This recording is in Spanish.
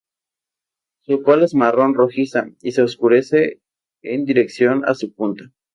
Su cola es marrón rojiza, y se oscurece en dirección a su punta.